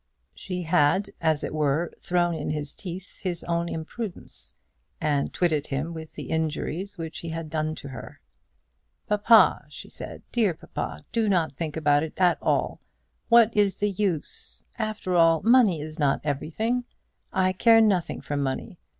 She had, as it were, thrown in his teeth his own imprudence, and twitted him with the injuries which he had done to her. "Papa," she said, "dear papa, do not think about it at all. What is the use? After all, money is not everything. I care nothing for money.